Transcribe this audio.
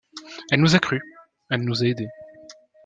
Elle nous a crus, elle nous a aidés.